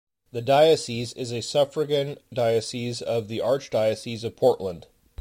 The diocese is a suffragan diocese of the Archdiocese of Portland.